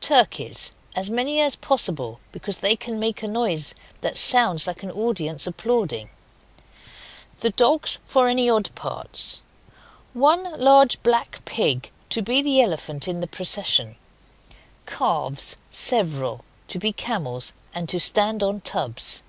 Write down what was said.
Turkeys, as many as possible, because they can make a noise that that sounds like an audience applauding The dogs, for any odd parts. 1 Large black pig to be the Elephant in the procession. Calves (several) to be camels, and to stand on tubs.